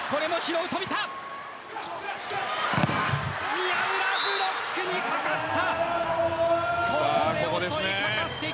宮浦、ブロックにかかった。